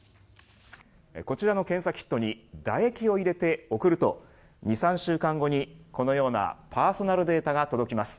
こちらの検査キットにだ液を入れて、送ると２３週間後にこのようなパーソナルデータが届きます。